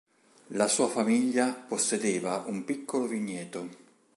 La sua famiglia possedeva un piccolo vigneto.